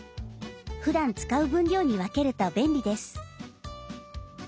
ふだん使う分量に分けると便利です。